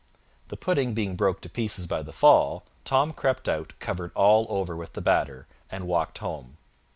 The pudding being broke to pieces by the fall, Tom crept out covered all over with the batter, and walked home.